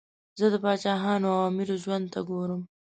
زه د پاچاهانو او امیرو ژوند ته ګورم.